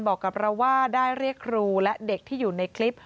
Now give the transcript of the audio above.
บอกกับเราว่าได้เรียกครูและเด็กที่อยู่ในคลิป